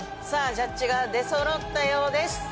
さあジャッジが出そろったようです。